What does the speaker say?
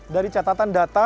dari catatan data